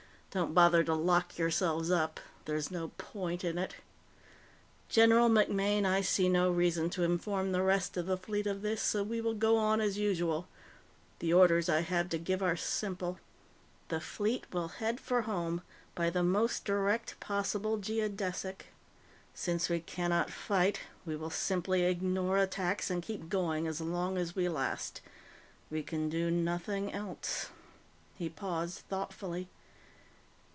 Don't bother to lock yourselves up there's no point in it. General MacMaine, I see no reason to inform the rest of the Fleet of this, so we will go on as usual. The orders I have to give are simple: The Fleet will head for home by the most direct possible geodesic. Since we cannot fight, we will simply ignore attacks and keep going as long as we last. We can do nothing else." He paused thoughtfully.